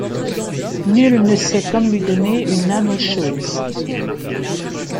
Nul ne sait comme lui donner une âme aux choses...